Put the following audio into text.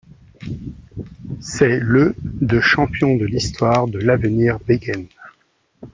C'est le de champion de l'histoire de l'Avenir Beggen.